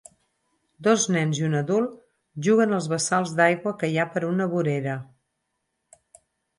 Dos nens i un adult juguen als basalts d'aigua que hi ha per una vorera.